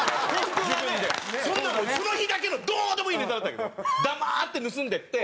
そんなのその日だけのどうでもいいネタだったけど黙って盗んでって。